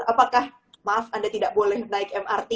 apakah maaf anda tidak boleh naik mrt